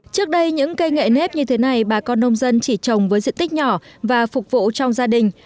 trước đây những cây nghệ nếp như thế này bà con nông dân chỉ trồng với diện tích nhỏ và phục vụ trong gia đình